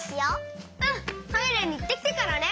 トイレにいってきてからね。